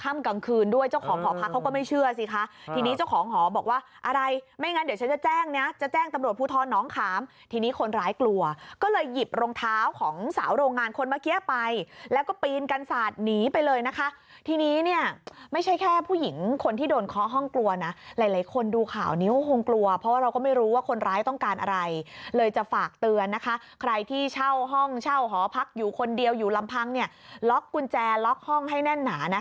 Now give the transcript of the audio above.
ค่ำกลางคืนด้วยเจ้าของหอพักเขาก็ไม่เชื่อสิคะทีนี้เจ้าของหอบอกว่าอะไรไม่งั้นเดี๋ยวฉันจะแจ้งเนี้ยจะแจ้งตำรวจภูทรน้องขามทีนี้คนร้ายกลัวก็เลยหยิบรองเท้าของสาวโรงงานคนเมื่อกี้ไปแล้วก็ปีนกันสาดหนีไปเลยนะคะทีนี้เนี้ยไม่ใช่แค่ผู้หญิงคนที่โดนเคาะห้องกลัวนะหลายหลายคนดูข่าวนี้ก็คงกลัวเพราะ